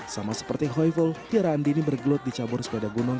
sama seperti hoi ful tiara andini bergelut dicabur sepeda gunung